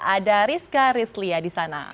ada rizka rizlia di sana